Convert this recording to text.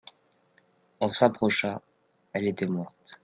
On s'approcha, elle était morte.